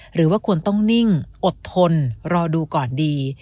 หรือว่าควรต้องนิ่งอดทนรอดูก่อนดี